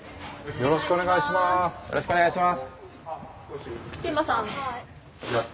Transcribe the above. よろしくお願いします！